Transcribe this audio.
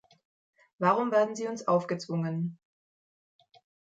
Warum werden sie uns aufgezwungen?